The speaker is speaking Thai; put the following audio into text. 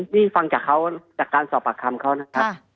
นี่ฟังจากเขาจากการสอบปากคำเขานะครับ